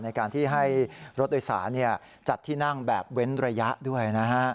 ในการที่ให้รถโดยสารจัดที่นั่งแบบเว้นระยะด้วยนะฮะ